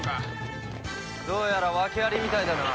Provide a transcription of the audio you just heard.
どうやら訳ありみたいだな。